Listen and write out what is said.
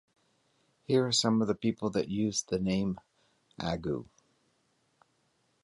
Here are some people that use the name Agu.